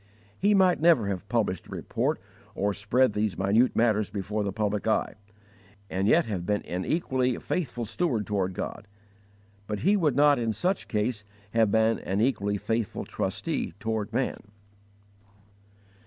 He might never have published a report or spread these minute matters before the public eye, and yet have been an equally faithful steward toward God; but he would not in such case have been an equally faithful trustee toward man.